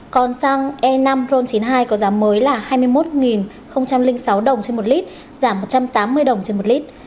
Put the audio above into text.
còn xăng e năm ron chín mươi hai có giá mới là hai mươi một sáu đồng trên một lít giảm một trăm tám mươi đồng trên một lít